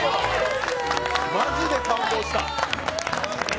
マジで感動した！